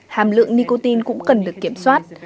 hàm lượng nicotine cũng cần được kiểm soát